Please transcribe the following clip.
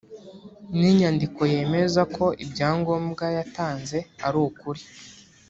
n’inyandiko yemeza ko ibyangombwa yatanze ari ukuri